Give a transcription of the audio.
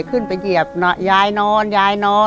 ขึ้นไปเหยียบย้ายนอน